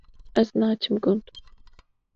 Ez naçim gund